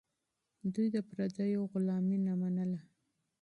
دوی د پردیو غلامي نه منله.